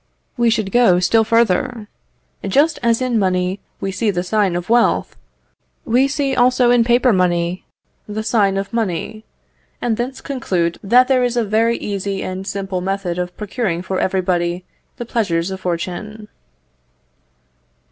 We should go still further. Just as in money we see the sign of wealth, we see also in paper money the sign of money; and thence conclude that there is a very easy and simple method of procuring for everybody the pleasures of fortune.